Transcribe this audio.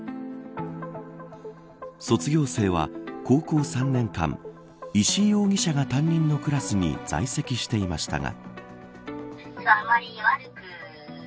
卒業生は高校３年間石井容疑者が担任のクラスに在籍していましたが。